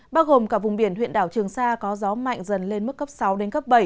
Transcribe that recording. bao gồm cả vùng biển huyện đảo trường sa có gió mạnh dần lên mức cấp sáu bảy